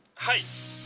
はい。